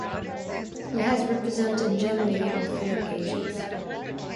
He has represented Germany on three occasions.